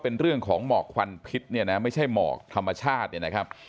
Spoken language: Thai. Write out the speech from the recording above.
เป็นเรื่องของหมอกควันพิษเนี่ยนะไม่ใช่หมอกธรรมชาติเนี่ยนะครับ